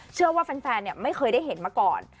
เชื่อว่าแฟนไม่เคยได้เห็นมาก่อน